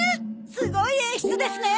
すごい演出ですね！